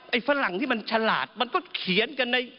ฝรั่งที่มันฉลาดมันก็เขียนกันใน